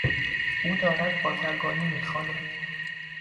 او دارد بازرگانی میخواند.